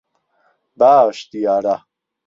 باش دیارە.